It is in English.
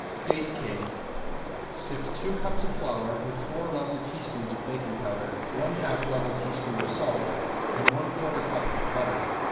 ~DATE CAKE~ Sift two cups of flour with four level teaspoons of baking powder, one half level teaspoon of salt and one quarter cup of butter.